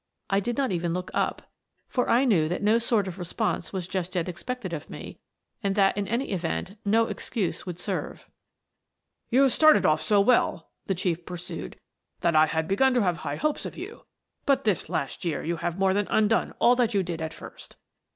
I did not even look up, for I knew that no sort of response was just yet expected of me, and that, in any event, no excuse would serve. "You started off so well," the Chief pursued, " that I had begun to have high hopes of you, but this last year you have more than undone all that you did at first.